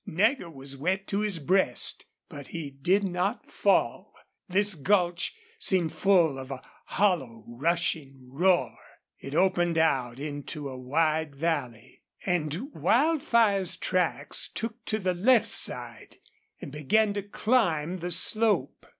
Nagger was wet to his breast, but he did not fall. This gulch seemed full of a hollow rushing roar. It opened out into a wide valley. And Wildfire's tracks took to the left side and began to climb the slope.